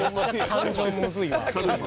感情むずいわ今の。